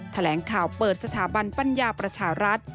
แถลงข่าวเปิดสถาบันปัญญาประชารัฐ